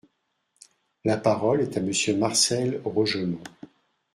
La parole est à Monsieur Marcel Rogemont.